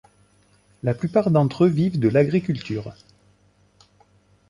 La plupart d'entre eux vivent de l'agriculture.